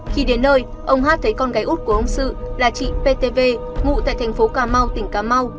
khi đến nơi ông hát thấy con gái út của ông sự là chị ptv ngụ tại thành phố cà mau tỉnh cà mau